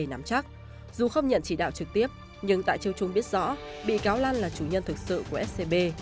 nắm chắc dù không nhận chỉ đạo trực tiếp nhưng tạ chiêu trung biết rõ bị cáo lan là chủ nhân thực sự của scb